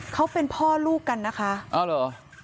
เขาเป็นพ่อลูกกันนะคะอ้าวเหรอ